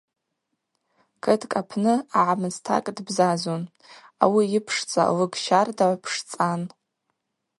Кыткӏ апны агӏмыстакӏ дбзазун, ауи йыпшцӏа лыг щардагӏв пшцӏан.